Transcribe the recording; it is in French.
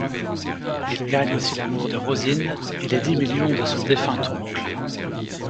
Il gagne aussi l'amour de Rosine et les dix millions de son défunt oncle.